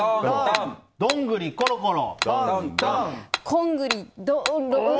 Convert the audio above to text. どんぐりコロコロ。